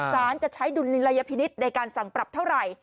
ศาลจะใช้ดุลลิละยภินิษฐ์ในการสั่งปรับเท่าไร